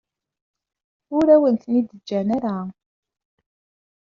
Ur awen-t-id-ǧǧan ara.